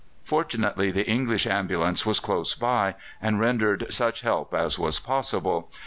Fortunately, the English ambulance was close by, and rendered such help as was possible.